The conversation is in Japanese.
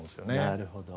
なるほど。